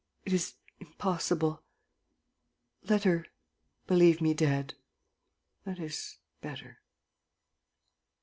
... It is impossible. ... Let her believe me dead. ... That is better.